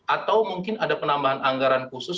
atau mungkin ada penambahan anggaran khusus